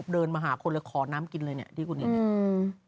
เดินมาหาคนเลยขอน้ำกินเลยเนี่ยที่คุณเห็นเนี่ย